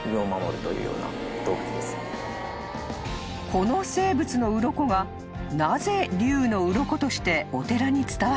［この生物の鱗がなぜ龍の鱗としてお寺に伝わったのか］